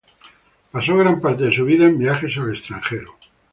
Pasó gran parte de su vida en viajes al extranjero.